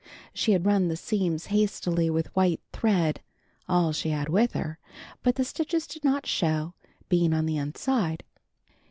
She had run the seams hastily with white thread, all she had with her, but the stitches did not show, being on the inside.